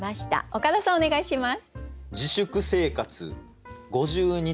岡田さんお願いします。